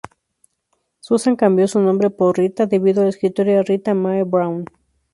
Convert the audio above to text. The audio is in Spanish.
Susan cambió su nombre por Rita, debido a la escritora Rita Mae Brown.